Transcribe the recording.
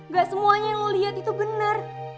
gak semuanya yang lo liat itu bener